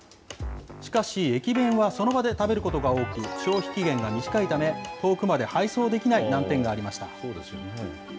しかし、駅弁はその場で食べることが多く、消費期限が短いため、遠くまで配送できない難点がありました。